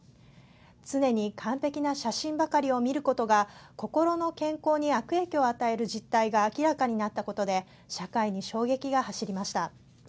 常に完璧な写真ばかりを見ることが心の健康に悪影響を与える実態が明らかになったことで社会に衝撃が走りました。